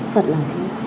phật nào chứ